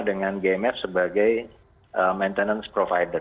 dengan gmf sebagai maintenance provider